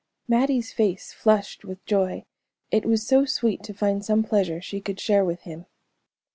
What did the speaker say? Mattie's face flushed with joy; it was so sweet to find some pleasure she could share with him.